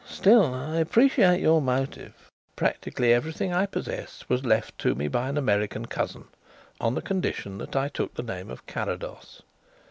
"Still, I appreciate your motive." "Practically everything I possess was left to me by an American cousin, on the condition that I took the name of Carrados.